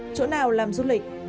chỗ nào làm du lịch hội an